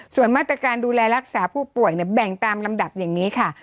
ส่วนมาตรการดูแลรักษาผู้ป่วยเนี่ยแบ่งตามลำดับอย่างนี้ค่ะ